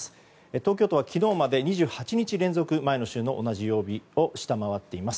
東京都は昨日まで２８日連続、前の週の同じ曜日を下回っています。